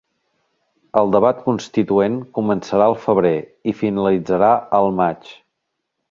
El Debat Constituent començarà al febrer i finalitzarà al maig